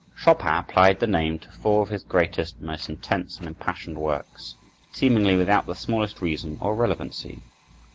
Chopin applied the name to four of his greatest, most intense and impassioned works, seemingly without the smallest reason or relevancy.